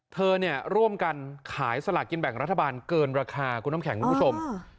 เธอเนี่ยร่วมกันขายสลากกินแบ่งรัฐบาลเกินราคาคุณน้ำแข็งคุณผู้ชม